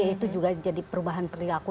itu juga jadi perubahan perilaku